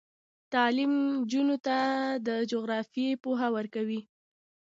تعلیم نجونو ته د جغرافیې پوهه ورکوي.